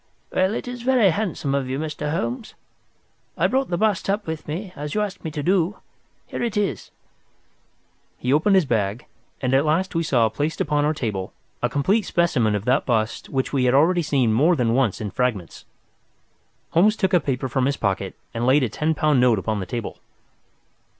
"Well, it is very handsome of you, Mr. Holmes. I brought the bust up with me, as you asked me to do. Here it is!" He opened his bag, and at last we saw placed upon our table a complete specimen of that bust which we had already seen more than once in fragments. Holmes took a paper from his pocket and laid a ten pound note upon the table.